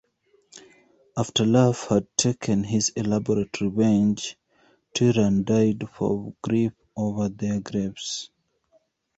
After Lugh had taken his elaborate revenge, Tuireann died of grief over their graves.